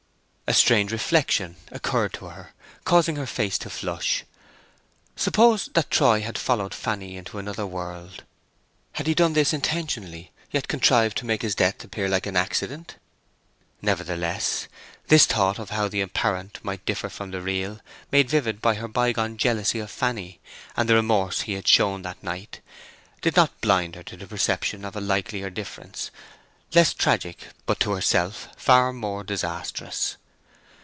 A strange reflection occurred to her, causing her face to flush. Suppose that Troy had followed Fanny into another world. Had he done this intentionally, yet contrived to make his death appear like an accident? Nevertheless, this thought of how the apparent might differ from the real—made vivid by her bygone jealousy of Fanny, and the remorse he had shown that night—did not blind her to the perception of a likelier difference, less tragic, but to herself far more disastrous.